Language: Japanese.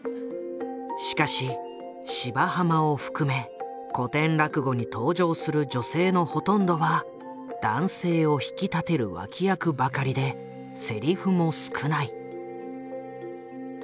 しかし「芝浜」を含め古典落語に登場する女性のほとんどは男性を引き立てる脇役ばかりでせりふも少ない。